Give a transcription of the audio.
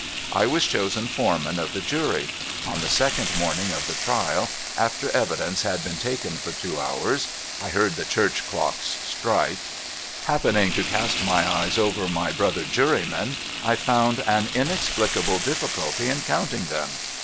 I was chosen Foreman of the Jury. On the second morning of the trial, after evidence had been taken for two hours (I heard the church clocks strike), happening to cast my eyes over my brother jurymen, I found an inexplicable difficulty in counting them.